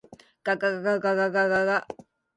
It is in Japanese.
がががががが